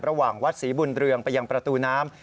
ระหว่างวัดสีบุญเรืองไปยังประตูน้ำ